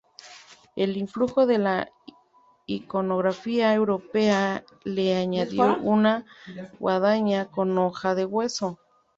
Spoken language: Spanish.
El influjo de la iconografía europea le añadió una guadaña con hoja de hueso.